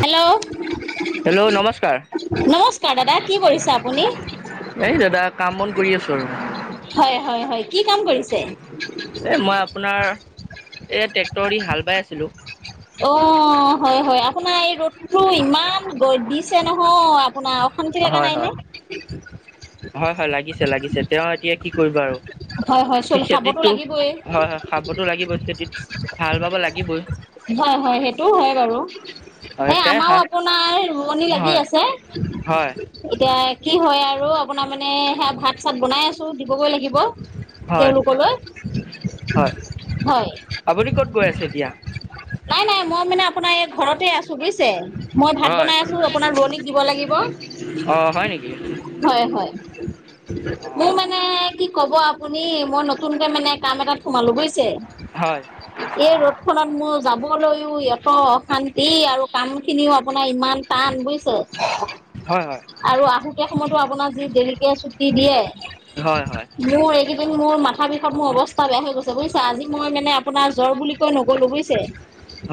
Hello hello নমস্কাৰ নমস্কাৰ দাদা, কি কৰিছে আপুনি? এই দাদা কাম বন কৰি আছো আৰু হয় হয় হয়, কি কাম কৰিছে? এ মই আপোনাৰ, এ ট্ৰেক্টৰ দি হাল বাই আছিলো। অ' হয় হয়, আপোনাৰ এই ৰ'দটো ইমান গ দিছে নহয়। আপোনাৰ অশান্তি লগা হয় নাই নে? হয় হয় হয় লাগিছে লাগিছে, তেওঁ এতিয়া কি কৰিব আৰু। হয় হয় স চুল খাবতো খেতিতটো লাগিবই হয় হয়, খাবতো লাগিবই, খেতিত হাল বাব লাগিবই। হয় হয় সেইটোও হয় বাৰু। হয় এই সে আমাৰো হা আপোনাৰ ৰুৱনি লাগি হয় আছে, হয় এতিয়া কি হয় আৰু আপোনাৰ মানে সেয়া ভাত চাত বনাই আছো দিবগৈ লাগিব। হয় তেওঁলোকলৈ হয়, হয় আপুনি ক'ত গৈ আছে এতিয়া? নাই নাই, মই মানে আপোনাৰ এই ঘৰতে আছো বুজিছে, মই ভাত হয় বনাই আছো, আপোনাৰ ৰুৱনীক দিব লাগিব। অ হয় নেকি হয় হয়, অ মোৰ মানে কি কব আপুনি মই নতুনকে মানে কাম এটাত সোমালো বুজিছে, হয় এই ৰোদ খত মোৰ লৈও ইত অশান্তি আৰু কাম খিনিও আপোনাৰ ইমান টান বুজ [unintelligible] আৰু আহুতীয়া সময়তো আপোনাৰ যি দেৰিকে চুটি দিয়ে, হয় হয় মোৰ এইকেই ন্তু মোৰ মাথা বিষত মোৰ অৱস্থা বেয়া হৈ গৈছে বুজিছে, আজি মই মানে আপোনাৰ জ্বৰ বুলি কৈ নক'ো বুজিছে।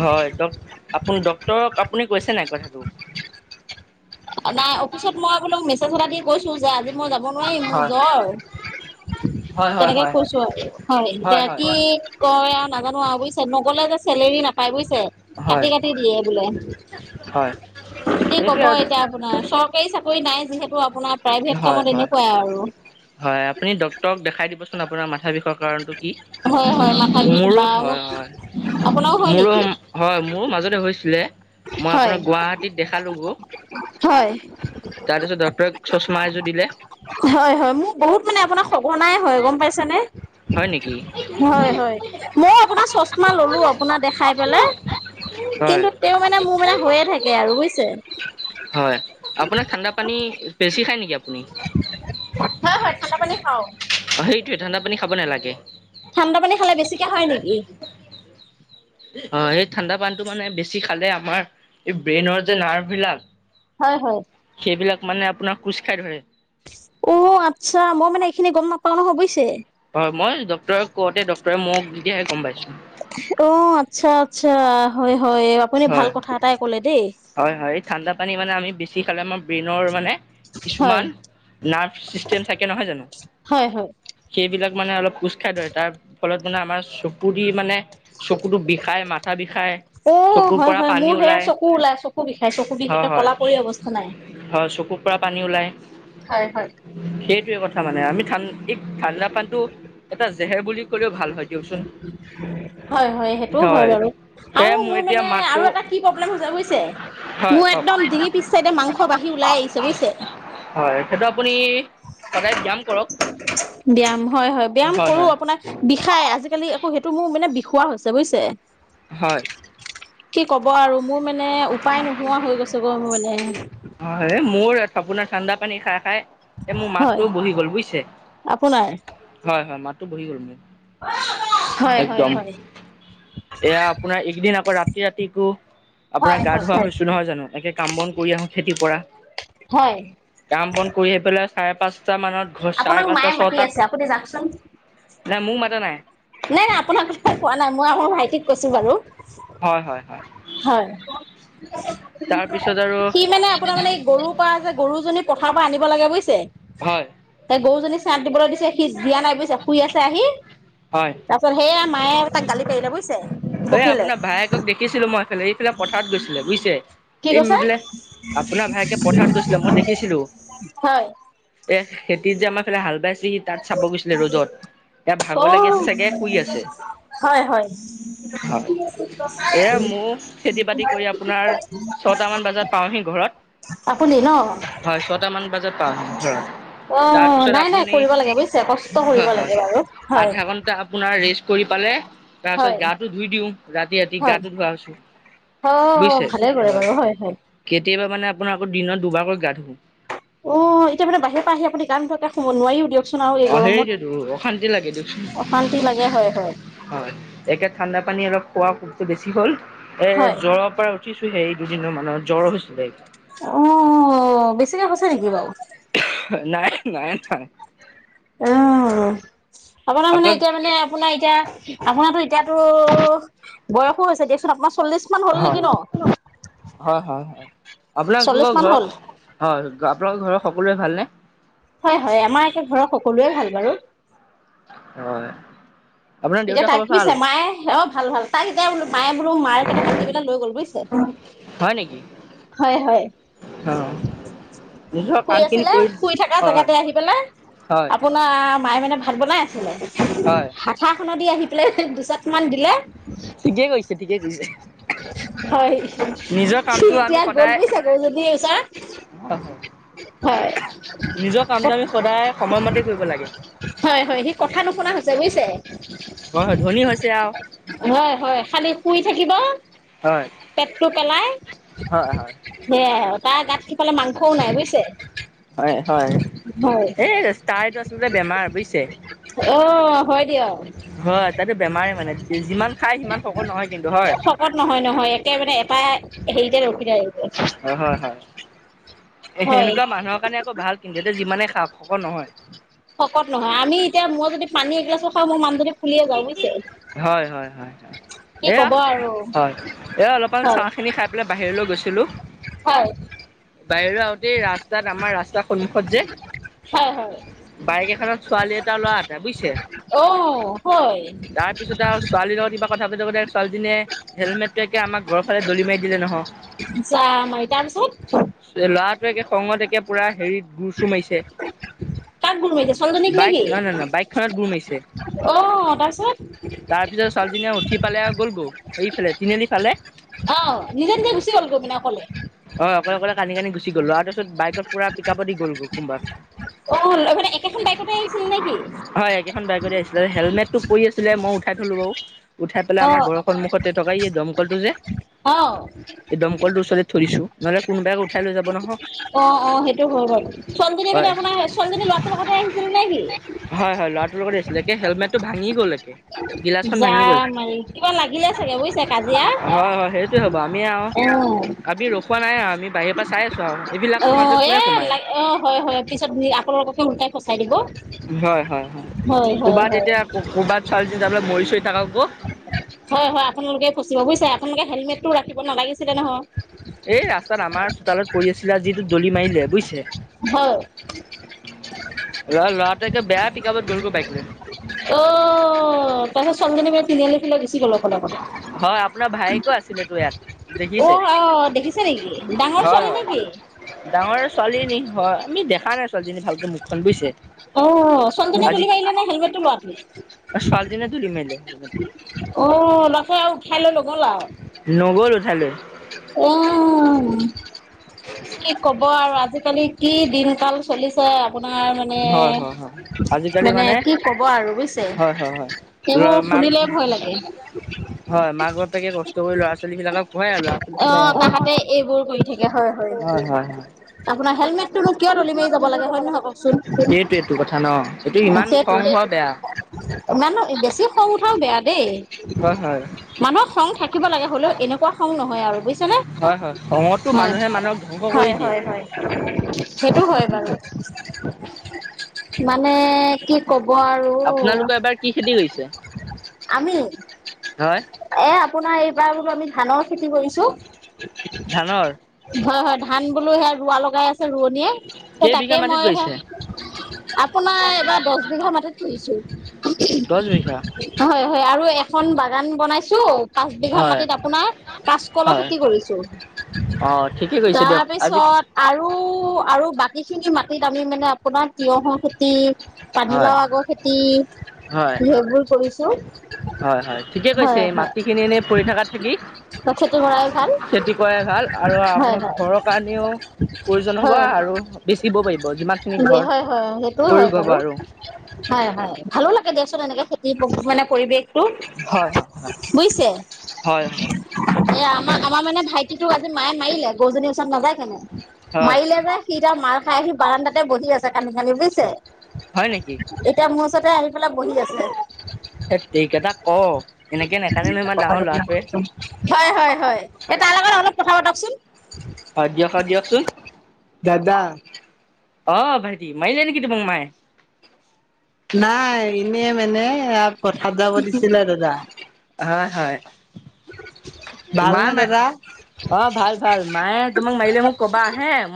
হয়, ড আপ ডটৰক আপুনি কৈছে নাই কথাটো? নাই অফিচত মই বোলো মেছেজ এটা দি কৈছো যে আজি মই যাব নোৱাৰিম, মোৰ হয় জ্বৰ। হয় হয় তেনেকে হয় কৈছো আৰু হয়, এতিয়া কি কয় আৰু নাজানো আৰু বুজিছছে নগলে য চেলেৰি নাপায় বুজিছে হয় কাটি কাটি দিয়ে বোলে। [unintelligible] কি ক'ব আৰু এতিয়া আপোনাৰ চৰকাৰী চাকৰি নাই যিহেতু আপোনাৰ প্ৰাইভেট হয় কামত হয় এনেকুৱাই আৰু। হয় আপুনি ডক্তৰক দেখাই দিবচোন আপোনাৰ মাথা বিষৰ কাৰণটো কি, হয় হয় মাথা বিষ মোৰো বা হয়। মোক আপোনাৰো হয় হয় মোৰো নেকি? হয়, মোৰো মাজতে হৈছিলে। মই হয় আপোনাৰ গুৱাহাটীত দেখালো। হয়। তাৰপিছত ডৰ চুষমা হয় হয় মোক বহুত মানে আপোনাক সঘনাই হয় গম পাইছে নে? হয় নেকি? হয় হয়, ময় আপোনাৰ চচমা ললো আপোনাৰ দেখাই পেলাই, হয় কিন্তু তেওঁ মানে মোৰ মানে হৈয়ে থাকে আৰু বুজিছে? হয় আপোনাক ঠাণ্ডা পানী বেছি খাই নেকি আপ হা হয় ঠাণ্ডা পানী খাও। অ সেইটোৱে ঠাণ্ডা পানী খাব নালাগে। ঠাণ্ডা পানী খালে বেছিকে হয় নেকি? অ' এই ঠাণ্ডা পানতটো মানে বেছি খালে আমাৰ, এই ব্ৰেইনৰ যে নাৰ্ভ বিলাক। হয় হয়। এইবিলাক মানে আপোনাৰ খোজ খা়ই ধৰে। অ' আচ্ছা, মই মানে এইখিনি গম নাপাও নহয় বুইিছে। হয় মই ড্টৰ কওঁতে, ড্টৰে মোক দিতিয়াহে গম পাইছো। অ' আচ্ছা আচ্ছা, হয় হয়, আপুনি ভাল হয় কথা এটাই কলে দেই। হয় ঠাণ্ডা পানী মানে আমি বেছি খালে আমাৰ ব্ৰেইনৰ মানে হয়। কিছুমান নাৰ্ভ ছিষ্টেম থাকে নহয় জানো। হয় হয় সেইবিলাক মানে অলপ কুজ খাই ধৰে তাৰ ফলত [unintelligible] আমাৰ চকু দি মানে চকুটো বিষায়, মাথা বিষায়। অ' চুকুৰ হয় পৰা হয় পানী মোৰ সেয়া ওলায়। চকু ওলাই চকু বিষাই চকু বিষ হ, একে হয়। কলা পৰি অৱস্থা নাই। হয় চকুৰ পৰা পানী ওলায়। হয়, হয়। টোৱে কথা মানে আমি থান ই, ঠাণ্ডা পানীটো এটা জেহেৰ বুলি ক'লেও ভাল হয়। দিয়কচোন হয় হয় সেইটোও হয় বাৰু, সেয়া আৰু মোৰ এতিয়া মানে মাতটো আৰু এটা কি প্ৰব্লেম হৈ যাব বুছে, হয় মোৰ কওক একদম ডিঙি পিছ চাইডে মাংস বাঢ়ি ওলাই আহিছে, বুজিছে। হয়, সেইটো আপুনি সদায় ব্যয়াম কৰক। ব্যায়াম হয়, হয়। ব্যায়াম কৰোঁ। আপোনাৰ বিষায় আজিকালি আকৌ সেইটো মোৰ মানে বিষোৱা হৈছে, বুজিছে। হয় কি ক'ব আৰু মোৰ মানে উপায় নোহোৱা হৈ গৈছোঁ। গভলে হয়, মোৰ এক আপোনাৰ ঠাণ্ডা পানী খাই খাই এ, মোৰ হয় মাতটো বহি গ'ল বুইছে। আপোনাৰ হয়, হয় মাতটো বহি গ'ল মোৰ। [inaudible] হয়, হয়, একদম হয়। এয়া আপোনাৰ একদিন আকৌ ৰাতি ৰাতিকো আপোনাৰ হয় গা হয় ধোৱা হয়, হৈছো নহয় জানো একে কাম বন কৰি আহো। এতি পৰা, হয়। কাম বন কৰি হেফেলে চাৰে পাঁচ চা মানত ঘ, চাৰে আপোনাক পাঁচটা মায়ে মাতি ছটাত আছে আপুনি যাওকচোন নাই মো মাতা নাই। নাই নাই আপোনাৰ কথা কোৱা নাই। মই আমাৰ ভাইটিক কৈছো বাৰু। হয়, হয়, হয়। হয় তাৰপিছত আৰু সি মানে আপোনাৰ মানে এই গৰুপা যে গৰুজনীক পথাৰৰ পা আনিব লাগে বুইছে। হয় সে গৰুজনী চায়াত দিবলে দিছ চে, সি দিয়া নাই বুইছা, শুই আছে আহি। হয় তাৰপাছত সেয়া মায়ে তাক গালি পাৰিলে বুজিছে। এই বকিলে আপোনাৰ ভায়েকক দেখিছিলো মই এইফালে ইফালে পথাৰত গৈছিলে, বুজিছে। কি এই কৈছে মিদুলে, আপোনাৰ ভায়েকে পথাৰত গৈছিলে মই দেখিছিলোঁ। হয় এ খেতিত যে আমাৰ ফালে হাল বাইচ চি, তাত চাব গৈছিলে ৰ'জত। এয়া ভাগৰ লাগি অ' আছে চাগে শুই আছে। হয় শুই আছে। এয়া মো খেতি বাতি কৰি আপোনাৰ ছটামান বাজাত পাওঁহি ঘৰত। আপুনি ন হয় ছটা মান বাজাত পাওঁহি হয়। অ', তাৰপিছত নাই নাই আপুনি কৰিব লাগে বুজিছে কষ্ট কৰিব হয়, হয়। লাগে বাৰু। হয়। আধা ঘন্টা আপোনাৰ ৰেষ্ট কৰি পালে, তাৰপিছত হয়, গাত ৰাতি ৰাতি হয়, গাটো ধোৱা হৈছোঁ। অ', বুইছে, ভালে কৰে হয়। বাৰু হয়। কেত [unintelligible] মানে আপোনাৰ আকৌ দিনত দুবাৰকৈ গা ধু। অ', এতিয়া মানে বাহিৰৰ পা আহি আপুনি গা নোধোৱাকে শুব নোৱাৰিও দিয়ক। অ', সেইটোৱেটো অশান্তি লাগে দিয়কচোন। অশান্তি লাগে হয়, হয়, হয় একে ঠাণ্ডা পানী অলপ খোৱাকু বেছি হ'ল এ, হয়, জ্বৰৰ পাৰা উঠিছোহে এই দুদিনৰ মানৰ জ্বৰ হৈছিলে। অ', বেছিকে হৈছে নেকি বাৰু? নাই, নাই, নাই। অ', আপোনাৰ মানে আপোনাক এতিয়া মানে আপোনাৰ এতিয়া আপোনাৰটো এতিয়াতো বয়সো হৈছে, [unintelligible] হ'ল হ, নেকি ন? হয়, হয়, হয়। আপোনালো চল্লিশ [unintelligible] মান হয়। হ'ল আপোনালোকৰ ঘৰৰ সকলোৱে ভালনে? হয়, হয় আমাৰ এতিয়া ঘৰৰ সকলোৱে ভাল বাৰু। হয়। আপোনাৰ এতিয়া দেউতাৰ তাক খবৰ [unintelligible] ভাল চেমায় অ', ভাল ভাল পাৰি [unintelligible] বোলো মায়ে বোলো মাৰ [inaudible] তা, লৈ গল বুইছে। হয় নেকি হয়, হয়। অ নিজৰ শুই কামখিনি আছিলে। কৰি শুই থাকা হয় জেগাতে আহি পেলাই হয় আপোনাম মায়ে মানে ভাত বনাই আছিলে হয় হাঠাখনত দি আহি পেলাই দুচাকমান দিলে। ঠিকে কৈছে ঠিকে কৈছে। হয় আমি এতিয়া গ'ল সদায় বুইছাকৌ যদি ওচা হয় হয় হয়। নিজৰ কামটো আমি সদায় সময়মতে কৰিব লাগে হয় হয় সি কথা নুশুনা হৈছে বুজিছে। হয় হয় ধনী হৈছে আৰু হয় হয় খালী শুই থাকিব। হয়। পেটটো পেলাই হয় হয়। সেয়াই আৰু তাৰ গাত সেইফালে মাংসও নাই বুজিছে। হয় হয় হয় এই তাইটো আচলতে বেমাৰ বুজিছে। অ' হয় দিয়ক। হয় তাতো বেমাৰে মানে যিমান খায় সিমান শকত নহয় কিন্তু হয়। সেইতে ৰখি থাকে। এ হয় সেনেকুৱা মানুহৰ কাৰণে আকৌ ভাল কিধোতে যিমানে খ খকৰ নহয়। শকত নহয় আমি এতিয়া মই যদি পানী এগিলাছৰ হয় মোৰ মানুহদি ফুলিয়ে যাওঁ বুজিছে। হয় হয় হয়। কি এয়া ক'ব আৰু হয় এয়া অলপমান চাহ হয় খিনি খাই পেলাই বাহিৰলৈ গৈছিলো। হয় বাহিৰ আহোতে ৰাস্তাত আমাৰ ৰাস্তাৰ সন্মুখত যে হয় হয় বাইক এখনত ছোৱালী এটা লৰা এটা বুজিছে। অ হয় তাৰ পিছতে আৰু ছোৱালীৰ লগত কিবা। কথা পা গলে ছোৱালীজনীয়ে হেলমেট টো একে আম ঘৰ ফালে দলি মি দিলে নহয়। যামামি তাৰপিছত ল'ৰাটোৱে খঙত একে পুৰা হেৰি গুৰ চুৰ মাৰিছে। কাক গুৰ মাৰিছে ছোৱালীজনীক বাইক নেকি নাই নাই ন বাইকখনত গুৰ মিছে। অ তাৰপিছত তাৰপিছত ছোৱালীজনীয়ে উঠি পালে গ'ল গৌ এইফালে তিনিআলি ফালে। আহ নিজে নিজে গুচি গ'ল গমিনা অকলে। অ' অকলে কান কানি গুচ গল লৰাতোচোন বাইকত পোৰা পিকাব দি গ'ল কোনোবা অ, লগ একেখন বাইকেতে আহিছিল নেকি? হয় একেখন বাইকতে হেলমেটটো পৰি আছিলে মই উঠাই থলো বাৰু উঠাই পেলাই অ আমাৰ ঘৰৰ সন্মখতে টকা দমকলটো যে আহ। ছো নহলে কোনবাক উঠাই লৈ যাব নহয়। অ', অ', সেইটো হল বাৰু চন্দনী পাননে হয় আপোনাৰ চন্দনী লৰাটোৰ কথা আহিছিলে নে কি? ল'ৰাটো লগত আছিলে কে হেলমেটটো ভাঙি গল। একে। গিলাচখন ভাঙি গ'ল যাম মাৰি কিবা লাগিলে চাগে বুজিছে কাজিয়া। হয় হয় সেইটোৱে হ'ব আমি আৰু আহ। আমি ৰখোৱা নাই আৰু আমি বাহিৰৰ পৰা চাইছো। অ, এ লাগ অ, হয় হয় পিছত আপোনালোককো লোটাই ফচাই দিব। হয়, হয়, হয় হয় ক'ৰবাত হয়। এতিয়া ক'ৰবাত ছোৱালীজনী মৰি চৰি থাকক গৈ। হয়, হয় আপোনালোকে ফচিব বুজিছে আপোনালোকে হেলমেটটো ৰাখিব নালাগিছিলে নহয় এই ৰাস্তাত আমাৰ চোতালত পৰি আছিলে যিটো দলি মাৰিলে বুজিছে। হয়। ল ল'ৰাটোৱে বেয়া পিকাবত গ'লগৈ বাইক লয়। অ' তাৰ পাছত ছোৱালীজনী মানে তিনিআলি ফালে গুচি গ'ল। অ', হয় আপোনাৰ ভায়েকো আছিলে তো ইয়াত দেখিছে আহ দেখিছে নেকি ডাঙৰ হয় ছোৱালী হয় নেকি? ডাঙৰ ছোৱালীজনী হয়। আমি দেখা নাই ছোৱালীজনী ভালকে মুখখন বুজিছে। অ', ছোৱালীজনীয়ে আজি তুলি মাৰিলে নে হেলমেটটো লৰাটোৱে? ছোৱালীজনীয়ে দলি মাৰিলে হেলমেটটো অ' ল'ৰাতো আৰু উঠাই লৈ নগ'ল আৰু। নগ'ল উঠাই লৈ আহ। [inaudible] হ'ব আৰু আজিকালি কি দিন কাল চলিছে আপোনাৰ মে হয় হয় হয় আজিকালি মানে কি কব আৰু বুজিছে, হয় হয় হয় ল সেইবোৰ মাক শুনিলে ভয় লাগে। হয় মাক বাপোকে কষ্ট কৰি ল'ৰা ছোৱালী বিলাকক পঢ়ে আৰু ল'ৰা ছোৱালী অ পাই তাহাঁতে এইবোৰ কৰি থাকে হয় হয় হয় হয়। আপোনাৰ হেলমেটটোনোক কিয় দলি মাৰি যাব লাগে হয় নহয় নে কওকচোন? নহয়? সেইটোৱেটো কথা ন এইটো ইমান সেইটো, খং হোৱা বেয়া। ইমান বেছি সৰু সংও বেয়া। দেই হয় হয় মানুহৰ খং থাকিব লাগে, হ'লেও এনেকুৱা খং নহয় আৰু বুজিছে। খঙতো হয়, মানুহে মানুহক ধ্বংস কৰি হয় দিয়ে। হয় হয়, সেইটো হয় বাৰু। মানে কি কব আৰু, আপোনালোকৰ এবাৰ কি খেতি কৰিছে আমি, হয় এ আপোনাৰ এইবাৰ বোলো আমি ধানৰ খেতি কৰিছো, ধানৰ? হয় হয়। ধান বোলো সেয়া ৰুৱা লগাই আছে ৰোৱনীয়ে ত তাকে কেইবিঘা মাটিত মই সেয়া কৰিছে? আপোনাৰ এইবাৰ দহ বিঘা মাটিত ফুৰিছো। দহ বিঘা হয়, হয় আৰু এখন বাগান বনাইছো। পাচবিঘা হয় মাটিত আপোনাৰ কাচকলৰ হয় খেতি কৰিছো। অ ঠিকে কৰিছে দিয়ক আজি তাৰপিছত আৰু আৰু আৰু বাকী খিনি মাটিত আমি মানে আপোনাৰ তিয়হৰ খেতি হয় পানীলাও আগৰ খেতি, হয় সবোৰ কৰিছো। হয় হয় ঠিকে কৈছে হয় হয় মাটি খিনি এনেই পৰি থকাত থাকি। খেতি কৰাই ভাল খেতি কৰাই ভাল আৰু হয় আপোনাৰ হয় ঘৰৰ কাৰণেও প্ৰয়োজন হ'ব আৰু বেচিব পাৰিব যিমান হয় হয় সেইটোও হয় বাৰু, হয় হয় ভালো লাগে দেচোন এনেকে খেতি মানে পৰিৱেশ। হয় হয়। হয় হয় এ আমাৰ আমাৰ মানে ভাইটিটো আজি মায়ে মাৰিলে গৰুজনীৰ ওচৰত নাযায়, কেনে হয় মাৰিলে যে সি মাৰ খাই সি বাৰাণ্ডাত তে বহি আছে কান্দি কান্দি বুজিছে। হয় নেকি? এতিয়া মোৰ ওচৰতে আহি পেলাই বহি আছে। ধেত তেৰিকা তাক কওক, এনেকে নাকান্দে নহয় ইমান ডাঙৰ লৰাটোৱে। হয় হয় হয়, এই তাৰ লগত অলপ কথা পাতকচোন। [unintelligible] দিয়ক দিয়কচোন। দাদা। আহ ভাইটি মাৰিলে নেকি তোমাক মায়েই? নাই এনে মানে পথাতৰ যাব দিছিলে দাদা। হয় হয়। মায়ে ভালনে ম দাদা অ'ভাল ভাল, মায়ে তোমাক মাৰিলে মোক কবা আহে মই